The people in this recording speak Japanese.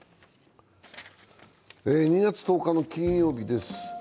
２月１０日金曜日です。